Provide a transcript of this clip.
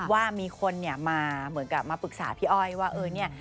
ว่ามีคนเนี่ยมาเหมือนกับมาปรึกษาพี่อ้อยว่าเออเนี่ย